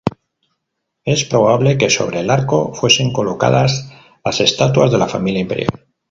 Es probable que sobre el arco fuesen colocadas las estatuas de la familia imperial.